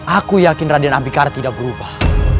aku yakin raden abikara tidak berubah